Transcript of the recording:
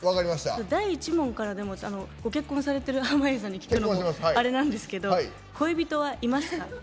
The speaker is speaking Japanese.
第１問からご結婚されてる濱家さんに聞くのもあれなんですけど恋人はいますか？